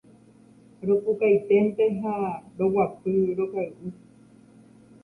Ropukainténte ha roguapy rokay'u